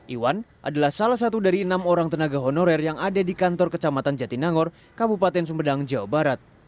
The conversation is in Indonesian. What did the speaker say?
iwan adalah salah satu dari enam orang tenaga honorer yang ada di kantor kecamatan jatinangor kabupaten sumedang jawa barat